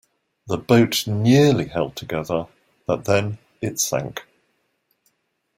The boat nearly held together, but then it sank.